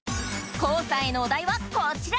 ＫＯＯさんへのお題はこちら！